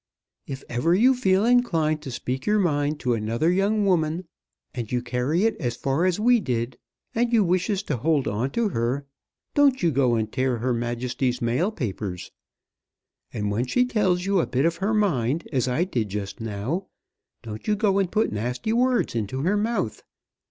"If ever you feel inclined to speak your mind to another young woman, and you carry it as far as we did, and you wishes to hold on to her, don't you go and tear Her Majesty's Mail papers. And when she tells you a bit of her mind, as I did just now, don't you go and put nasty words into her mouth.